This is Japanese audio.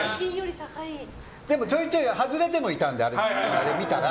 でも、ちょいちょい外れてもいたのであれを見たら。